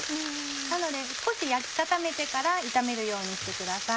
なので少し焼き固めてから炒めるようにしてください。